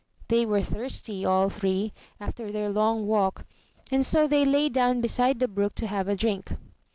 They were thirsty, all three, after their long walk, and so they lay down beside the brook to have a drink.